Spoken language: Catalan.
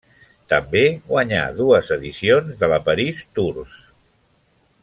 També guanyà dues edicions de la París-Tours.